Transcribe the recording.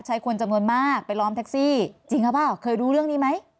คนจำนวนมากไปล้อมแท็กซี่จริงหรือเปล่าเคยรู้เรื่องนี้ไหม